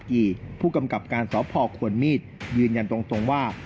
ผู้กำกับการสพควรมีดยืนยันตรงว่า